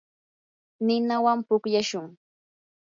ninawan pukllashun.